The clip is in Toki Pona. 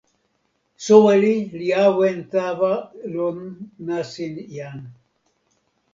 soweli li awen tawa lon nasin jan.